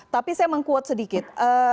tapi saya mengkuat sedikit